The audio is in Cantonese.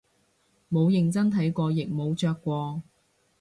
冇認真睇過亦冇着過